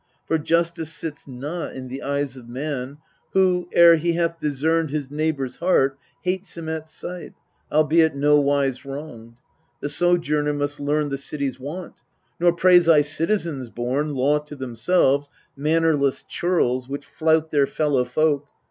For justice sits not in the eyes of man, Who, ere he hath discerned his neighbour's heart, Hates him at sight, albeit nowise wronged. The sojourner must learn the city's wont ; Nor praise I citizens born, law to themselves, Mannerless churls, which flout their fellow folk.